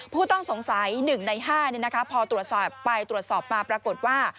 ผู้ต้องสงสัย๑ใน๕พอตรวจสอบไปตรวจสอบมาปรากฏว่า